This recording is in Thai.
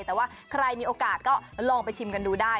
แต่ว่าใครมีโอกาสก็ลองไปชิมกันดูได้